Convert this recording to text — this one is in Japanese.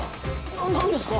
な何ですか？